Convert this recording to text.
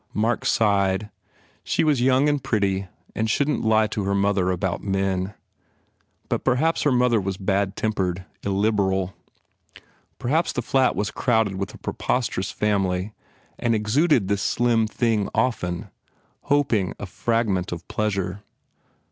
Mark sighed; she was young and pretty and shouldn t lie to her mother about men. But perhaps her mother was bad tempered, illiberal. Perhaps the flat was crowded with a preposterous family and exuded this slim PENALTIES thing often, hoping a fragment of pleasure.